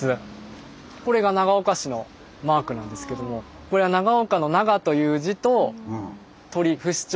これが長岡市のマークなんですけどもこれは長岡の「長」という字と鳥不死鳥。